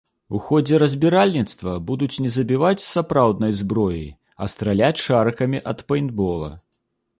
У ходзе разбіральніцтва будуць не забіваць з сапраўднай зброі, а страляць шарыкамі ад пэйнтбола.